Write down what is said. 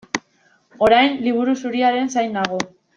Orain Liburu Zuriaren zain nago.